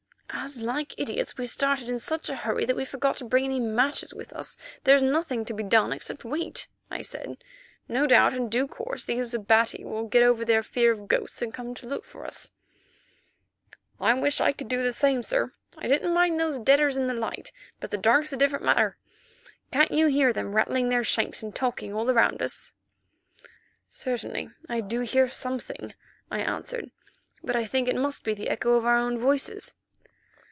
"As, like idiots, we started in such a hurry that we forgot to bring any matches with us, there is nothing to be done, except wait," I said. "No doubt in due course those Abati will get over their fear of ghosts and come to look for us." "Wish I could do the same, sir. I didn't mind those deaders in the light, but the dark's a different matter. Can't you hear them rattling their shanks and talking all round us?" "Certainly I do hear something," I answered, "but I think it must be the echo of our own voices."